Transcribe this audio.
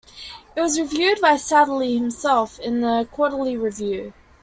It was reviewed by Southey himself in the "Quarterly Review".